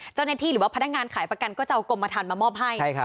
เจ้าหน้าที่หรือว่าพนักงานขายประกันก็จะเอากรมฐานมามอบให้